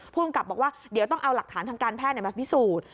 ภูมิกับบอกว่าเดี๋ยวต้องเอาหลักฐานทางการแพทย์มาพิสูจน์